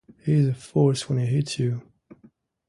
He's a force when he hits you.